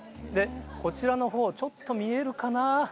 こちらのほう、ちょっと見えるかな。